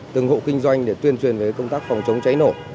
từng hộ kinh doanh để tuyên truyền về công tác phòng chống cháy nổ